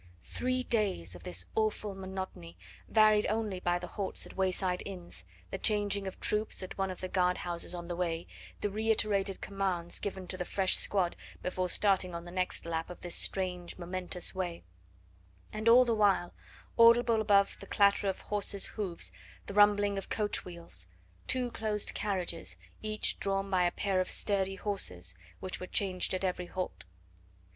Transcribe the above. Three days of this awful monotony, varied only by the halts at wayside inns, the changing of troops at one of the guard houses on the way, the reiterated commands given to the fresh squad before starting on the next lap of this strange, momentous way; and all the while, audible above the clatter of horses' hoofs, the rumbling of coach wheels two closed carriages, each drawn by a pair of sturdy horses; which were changed at every halt.